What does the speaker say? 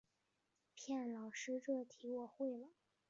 骗老师这题我会了